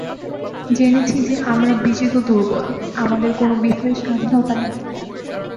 জেনেছি যে আমরা বিজিত দুর্বল, আমাদের কোন বিষয়ে স্বাধীনতা নেই।